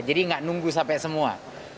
jadi nggak nunggu sampai semua